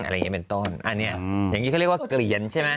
อะไรเงี้ยเป็นต้นอันนี้เขาเรียกว่าเกลียนใช่มั้ย